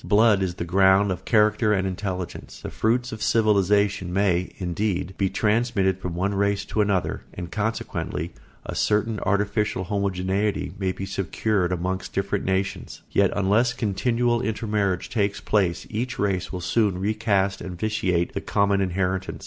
Blood is the ground of character and intelligence. The fruits of civilisation may, indeed, be transmitted from one race to another and consequently a certain artificial homogeneity may be secured amongst different nations; yet unless continual intermarriage takes place each race will soon recast and vitiate the common inheritance.